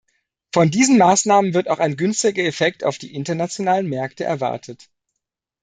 Von diesen Maßnahmen wird auch ein günstiger Effekt auf die internationalen Märkte erwartet.